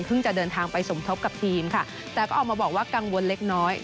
จะเดินทางไปสมทบกับทีมค่ะแต่ก็ออกมาบอกว่ากังวลเล็กน้อย